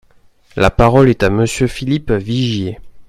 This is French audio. La parole est à Monsieur Philippe Vigier.